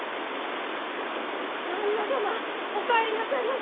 ・・旦那様お帰りなさいまし！